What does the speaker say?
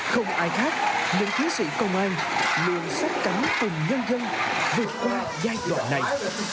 còn ai khác những thiến sĩ công an luôn sắp cắn cùng nhân dân vượt qua giai đoạn này